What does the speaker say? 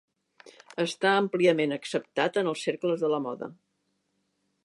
Està àmpliament acceptat en els cercles de la moda.